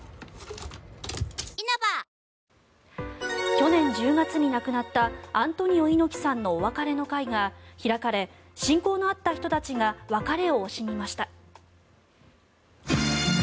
去年１０月に亡くなったアントニオ猪木さんのお別れの会が開かれ親交のあった人たちが別れを惜しみました。